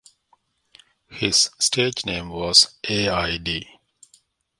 His stage name was AiD.